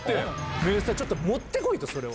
明細ちょっと持って来いと、それを。